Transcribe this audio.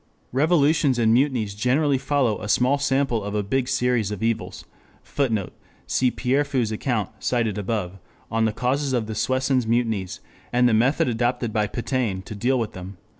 Revolutions and mutinies generally follow a small sample of a big series of evils. [Footnote: Cf. Pierrefeu's account, op. cit., on the causes of the Soissons mutinies, and the method adopted by Pétain to deal with them.